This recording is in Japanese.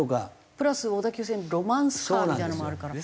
プラス小田急線ロマンスカーみたいなのもあるから。